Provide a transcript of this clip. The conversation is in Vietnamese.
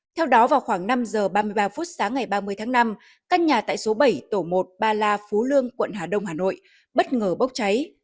theo đó vào khoảng năm giờ ba mươi ba phút sáng ngày ba mươi tháng năm căn nhà tại số bảy tổ một ba la phú lương quận hà đông hà nội bất ngờ bốc cháy